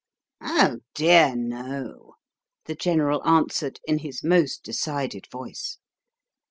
"Oh, dear, no," the General answered in his most decided voice.